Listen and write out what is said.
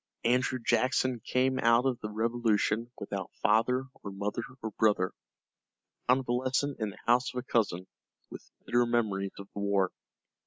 Andrew Jackson came out of the Revolution without father or mother or brother, a convalescent in the house of a cousin, with bitter memories of the war.